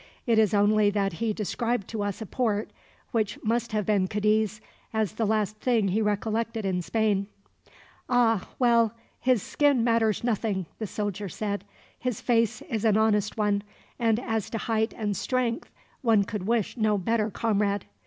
It is only that he described to us a port, which must have been Cadiz, as the last thing he recollected in Spain." "Ah, well, his skin matters nothing!" the soldier said. "His face is an honest one, and as to height and strength one could wish no better comrade.